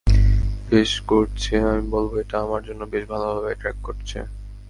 বেশ করছে, আমি বলব এটা আমার জন্য বেশ ভালোভাবে ট্র্যাক করছে।